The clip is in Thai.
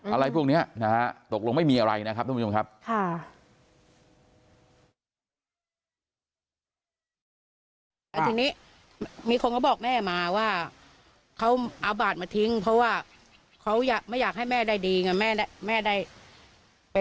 อะไรพวกนี้นะฮะตกลงไม่มีอะไรนะครับทุกผู้ชมครับ